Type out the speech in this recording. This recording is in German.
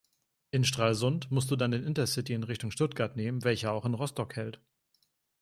In Stralsund musst du dann den Intercity in Richtung Stuttgart nehmen, welcher auch in Rostock hält.